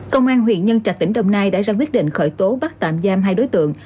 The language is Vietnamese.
công an huyện nhân trạch tỉnh đồng nai đã ra quyết định khởi tố bắt tạm giam hai đối tượng